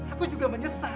aku juga menyesal